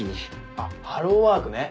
あっハローワークね。